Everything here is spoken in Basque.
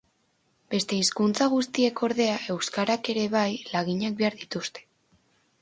Beste hizkuntza guztiek, ordea, euskarak ere bai, laginak behar dituzte.